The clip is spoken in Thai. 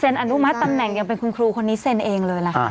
อนุมัติตำแหน่งยังเป็นคุณครูคนนี้เซ็นเองเลยล่ะค่ะ